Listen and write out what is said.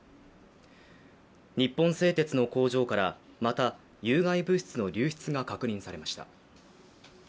日本製鉄の工場からまた有害物質の流出が確認されました。